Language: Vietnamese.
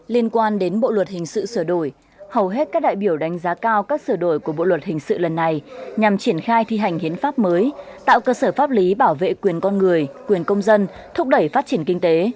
liên quan đến bộ luật hình sự sửa đổi hầu hết các đại biểu đánh giá cao các sửa đổi của bộ luật hình sự lần này nhằm triển khai thi hành hiến pháp mới tạo cơ sở pháp lý bảo vệ quyền con người quyền công dân thúc đẩy phát triển kinh tế